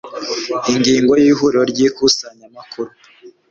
ingingo ya ihuriro ry ikusanya makuru